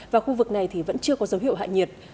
và khu vực này thì vẫn chưa có dấu hiệu hạ nhiệt